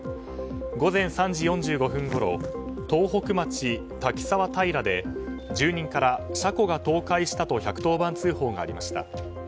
午前３時４５分ごろ東北町滝沢平で住人から車庫が倒壊したと１１０番通報がありました。